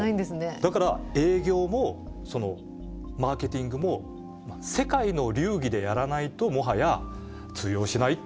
だから営業もマーケティングも世界の流儀でやらないともはや通用しない。